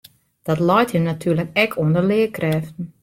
Dat leit him natuerlik ek oan de learkrêften.